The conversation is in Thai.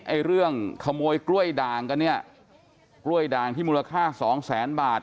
ไอ้เรื่องขโมยกล้วยด่างกันเนี่ยกล้วยด่างที่มูลค่าสองแสนบาท